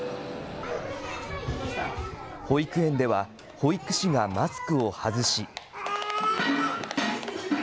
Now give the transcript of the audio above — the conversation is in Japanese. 保育園では、保育士がマスクを外し。